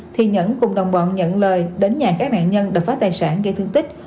thì nhẫn cùng đồng bọn nhận lời đến nhà các nạn nhân đập phá tài sản gây thương tích